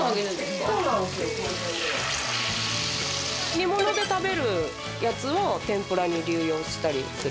煮物で食べるやつを天ぷらに流用したりする。